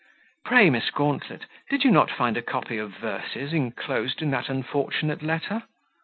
Pray, Miss Gauntlet, did you not find a copy of verses inclosed in that unfortunate letter?"